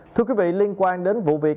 thưa quý vị liên quan đến vụ việc